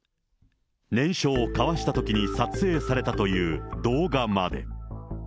念書を交わしたときに撮影されたという動画まで。